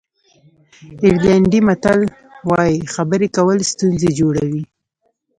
آیرلېنډي متل وایي خبرې کول ستونزې جوړوي.